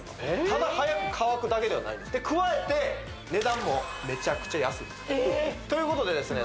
ただ早く乾くだけではないですで加えて値段もメチャクチャ安いということでですね